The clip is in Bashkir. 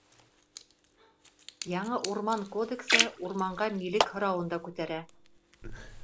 Яңы Урман кодексы урманға милек һорауын да күтәрә.